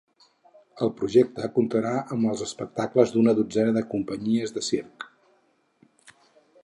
El projecte comptarà amb els espectacles d’una dotzena de companyies de circ.